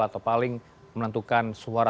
atau paling menentukan suara